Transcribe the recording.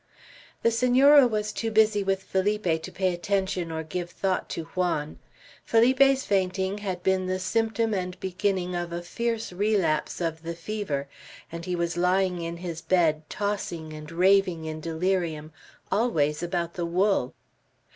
The Senora was too busy with Felipe to pay attention or to give thought to Juan. Felipe's fainting had been the symptom and beginning of a fierce relapse of the fever, and he was lying in his bed, tossing and raving in delirium, always about the wool.